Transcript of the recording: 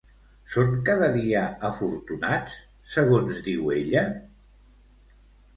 Són cada dia afortunats, segons diu ella?